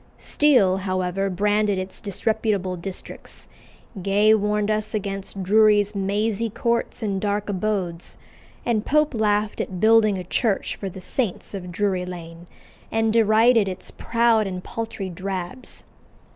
Steele, however, branded its disreputable districts; Gay warned us against "Drury's mazy courts and dark abodes;" and Pope laughed at building a church for "the saints of Drury Lane," and derided its proud and paltry "drabs."